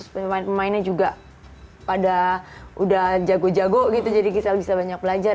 pemain pemainnya juga pada udah jago jago gitu jadi gisela bisa banyak belajar